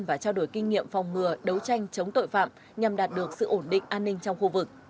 và trao đổi kinh nghiệm phòng ngừa đấu tranh chống tội phạm nhằm đạt được sự ổn định an ninh trong khu vực